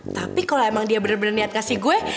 tapi kalo emang dia bener bener niat ngasih gue